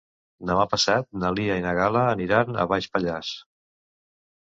Demà passat na Lia i na Gal·la aniran a Baix Pallars.